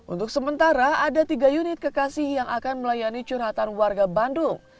untuk sementara ada tiga unit kekasih yang akan melayani curhatan warga bandung